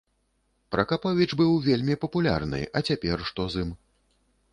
Пракаповіч быў вельмі папулярны, а цяпер што з ім?